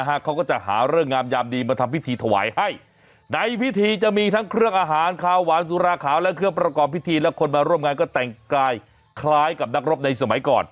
เขาก็จะหาเรื่องงามยามดีมาทำพิธีถวายให้ในพิธีจะมีทั้งเครื่องอาหารขาวหวานสุราขาวและเครื่องประกอบพิธีและคนมาร่วมงานก็แต่งกายคล้ายกับนักรบในสมัยก่อน